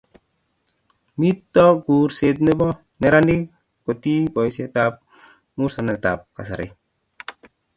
mito kurset nebo neranik kotii boisietab musoknatedab kasari